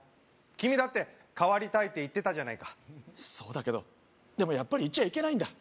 君だって変わりたいって言ってたじゃないかそうだけどでもやっぱり行っちゃいけないんだ